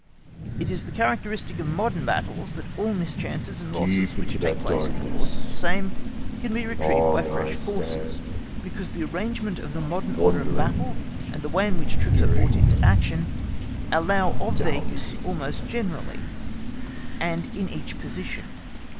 It is the characteristic of modern battles that all mischances and losses which take place in the course of the same can be retrieved by fresh forces, because the arrangement of the modern order of battle, and the way in which troops are brought into action, allow of their use almost generally, and in each position.